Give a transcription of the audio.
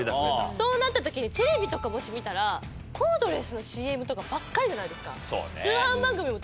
そうなった時にテレビとかもし見たらコードレスのＣＭとかばっかりじゃないですか？そうね。